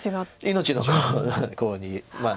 命のコウに。